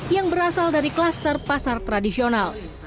yang berasal dari kluster pasar tradisional